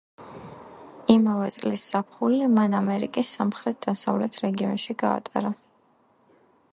იმავე წლის ზაფხული მან ამერიკის სამხრეთ-დასავლეთ რეგიონში გაატარა.